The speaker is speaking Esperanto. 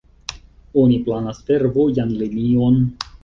Oni planas fervojan linion.